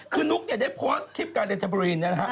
คือนุกจะได้พอส์คลิปที่การเลือกเทมอินเนี่ยนะครับ